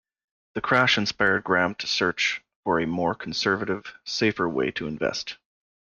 The crash inspired Graham to search for a more conservative, safer way to invest.